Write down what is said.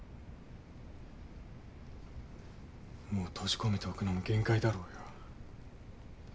もう閉じ込めておくのも限界だろうよ。